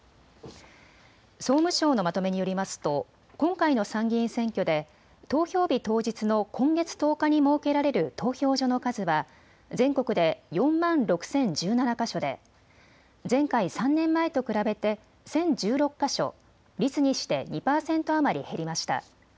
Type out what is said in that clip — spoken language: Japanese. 総務省のまとめによりますと今回の参議院選挙で投票日当日の今月１０日に設けられる投票所の数は全国で４万６０１７か所で前回３年前と比べて１０１６か所、率にして２％余り減りました。